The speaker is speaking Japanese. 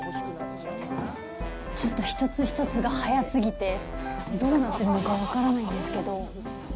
ちょっと１つ１つが速すぎて、どうなってるのか分からないんですけど。